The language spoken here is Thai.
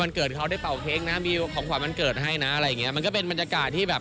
ไม่ว่าเราก็อยากให้เขาได้แบบ